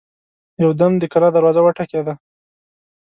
يودم د کلا دروازه وټکېده.